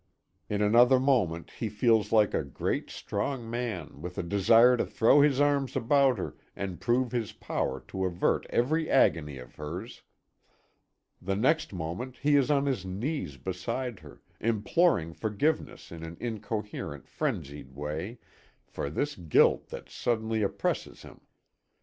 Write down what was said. In another moment, he feels like a great, strong man, with a desire to throw his arms about her, and prove his power to avert every agony of hers. The next moment he is on his knees beside her, imploring forgiveness in an incoherent, frenzied way, for this guilt that suddenly oppresses him!